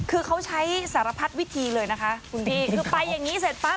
คือเขาใช้สารพัดวิธีเลยนะคะคุณพี่คือไปอย่างนี้เสร็จปั๊บ